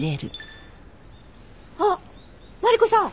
あっマリコさん！